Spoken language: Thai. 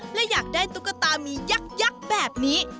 และอยากได้ตุ๊กตามียักษ์แบบนี้